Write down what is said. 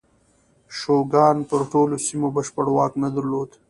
شوګان پر ټولو سیمو بشپړ واک نه درلود.